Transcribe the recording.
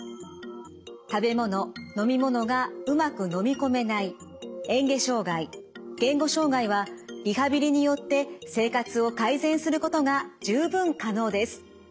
食べ物飲み物がうまく飲み込めないえん下障害言語障害はリハビリによって生活を改善することが十分可能です。